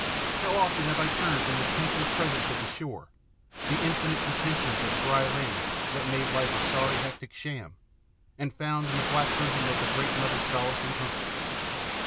How often have I turned from the tinselled presence of the shore, the infinite pretensions of dry land that make life a sorry, hectic sham, and found in the black bosom of the Great Mother solace and comfort!